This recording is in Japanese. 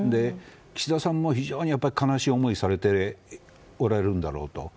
岸田さんも非常に悲しい思いをされておられるんだろうと。